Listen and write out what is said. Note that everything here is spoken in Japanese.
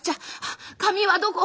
紙はどこ？